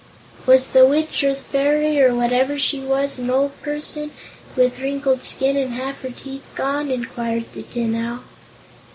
"Was the witch, or fairy, or whatever she was, an old person, with wrinkled skin and half her teeth gone?" inquired the Tin Owl.